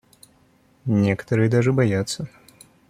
Некоторые даже боятся.